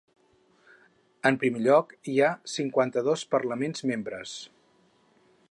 En primer lloc, hi ha cinquanta-dos parlaments membres.